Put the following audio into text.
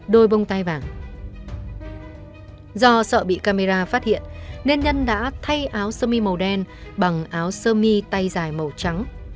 do sợ bị camera phát hiện nên nhân đã thay áo sơ mi màu đen bằng áo sơ mi tay dài màu trắng